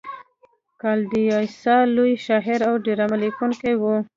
کالیداسا لوی شاعر او ډرامه لیکونکی و.